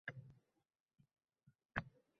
Xoʻsh, hammasi ichki manfaatga borib taqaladi.